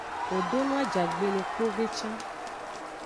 Wo do no ajagbe le kpove can.